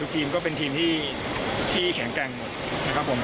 ทุกทีมก็เป็นทีมที่แข็งแกร่งหมด